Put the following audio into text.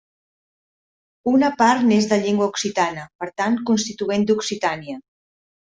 Una part n'és de llengua occitana, per tant constituent d'Occitània.